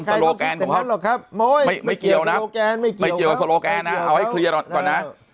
โลแกนของเขาไม่เกี่ยวนะไม่เกี่ยวกับโซโลแกนนะเอาให้เคลียร์ก่อนนะ